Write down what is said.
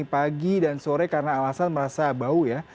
pagi dan sore karena alasan merasa bau ya